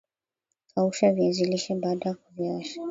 Kausha viazi lishe baada ya kuviosha